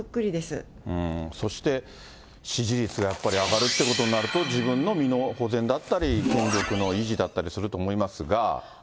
そして支持率がやっぱり上がるってことになると、自分の身の保全だったり、権力の維持だったりすると思いますが。